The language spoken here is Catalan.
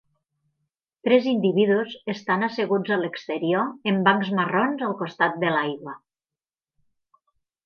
Tres individus estan asseguts a l'exterior en bancs marrons al costat de l'aigua.